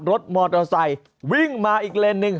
รถมอเตอร์ไซค์วิ่งมาอีกเลนหนึ่ง